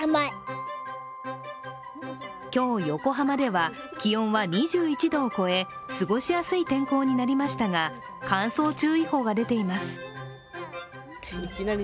今日、横浜では気温は２１度を超え過ごしやすい天候になりましたが乾燥注意報が出ています。